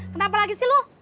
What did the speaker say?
kenapa lagi sih lu